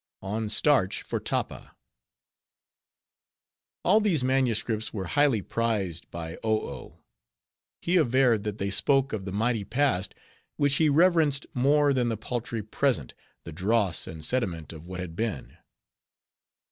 "On Starch for Tappa." All these MSS. were highly prized by Oh Oh. He averred, that they spoke of the mighty past, which he reverenced more than the paltry present, the dross and sediment of what had been.